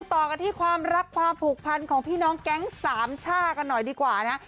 ต่อกันที่ความรักความผูกพันของพี่น้องแก๊งสามช่ากันหน่อยดีกว่านะ